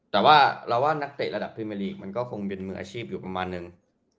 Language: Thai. แต่ว่าเราว่านักเตะระดับพรีเมอร์ลีกมันก็คงเป็นมืออาชีพอยู่ประมาณนึง